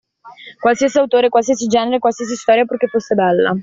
Qualsiasi autore, qualsiasi genere, qualsiasi storia purché fosse bella.